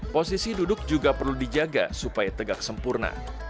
posisi duduk juga perlu dijaga supaya tegak sempurna